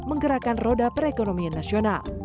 menggerakkan roda perekonomian nasional